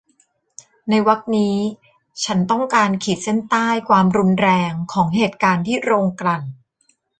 ในวรรคนี้ฉันต้องการขีดเส้นใต้ความรุนแรงของเหตุการณ์ที่โรงกลั่น